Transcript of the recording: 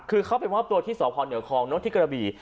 คือเขาเป็นว่าตัวที่ส่อพเหนือคลองนกที่กระบี่